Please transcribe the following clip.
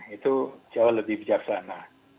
itu jauh lebih bijaksana